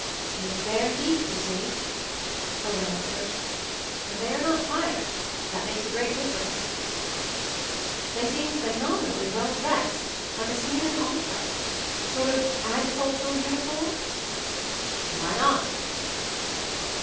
"It's their heap, you see," Owen an swered. "And they are not tired — that makes a great difference." "They seem phenomenally well dressed — ^looks like a scene in an opera. Sort of agri / cultural uniform?" ^ "Why not?"